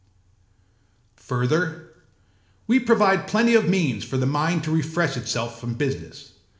âFurther, we provide plenty of means for the mind to refresh itself from business.